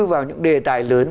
vào những đề tài lớn